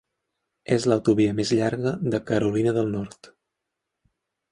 És l'autovia més llarga de Carolina del Nord.